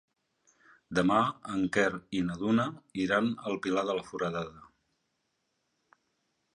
Demà en Quer i na Duna iran al Pilar de la Foradada.